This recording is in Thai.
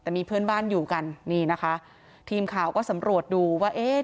แต่มีเพื่อนบ้านอยู่กันนี่นะคะทีมข่าวก็สำรวจดูว่าเอ๊ะ